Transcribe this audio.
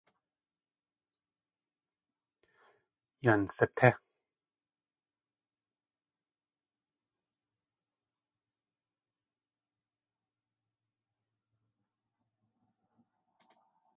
Yan satí!